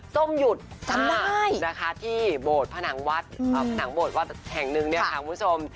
ส้มหยุดห้าที่โบดผนังวัดแห่งนึงครับคุณผู้ชม